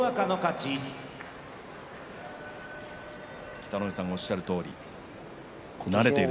北の富士さんがおっしゃるとおり慣れている。